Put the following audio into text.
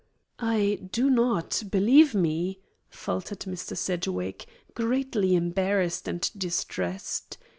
"I do not believe me " faltered Mr. Sedgwick, greatly embarrassed and distressed.